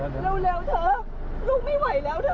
เจ้ากาลั้่งมาน้องบลาวาน